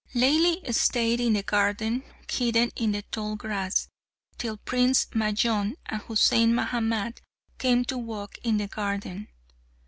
Laili stayed in the garden, hidden in the tall grass, till Prince Majnun and Husain Mahamat came to walk in the garden.